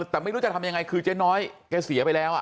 แต่ไม่รู้จะทำยังไงคือเจ๊น้อยแกเสียไปแล้ว